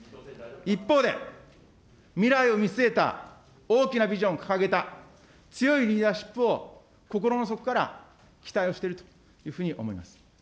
一方で、未来を見据えた大きなビジョンを掲げた強いリーダーシップを心の底から期待をしているというふうに思います。